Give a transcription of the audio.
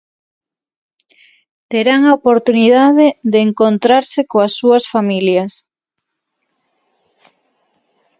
Terán a oportunidade de encontrarse coas súas familias.